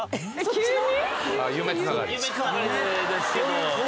急に？